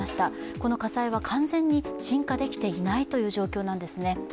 この火災は完全に鎮火できていないという状況なんですね。